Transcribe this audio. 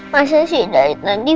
masa sih dari tadi